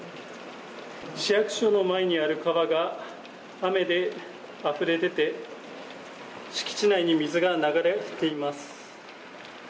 市役所の前にある川が雨であふれ出て敷地内に水が流れています。